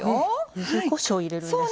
ゆずこしょう入れるんですか。